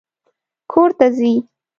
کور ته ځي